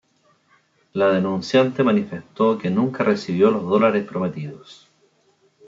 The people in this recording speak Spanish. La denunciante manifestó que nunca recibió los dólares prometidos.